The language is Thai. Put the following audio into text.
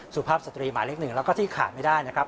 สุภาพสตรีหมายเล็กหนึ่งแล้วก็ที่ขาดไม่ได้นะครับ